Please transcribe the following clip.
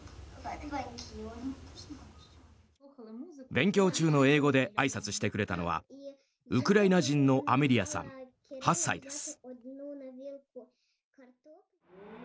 勉強中の英語であいさつしてくれたのはウクライナ人のアメリアさん８歳です。